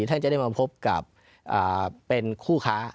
ท่านจะได้มาพบกับเป็นคู่ค้า